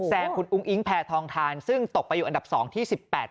แซงคุณอุ้งอิ๊งแพทองทานซึ่งตกไปอยู่อันดับ๒ที่๑๘